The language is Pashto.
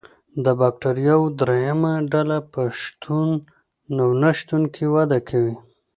د بکټریاوو دریمه ډله په شتون او نشتون کې وده کوي.